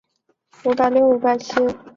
我们差不多同时期走上了革命的道路。